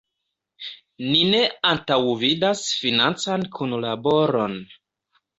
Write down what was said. Ni ne antaŭvidas financan kunlaboron.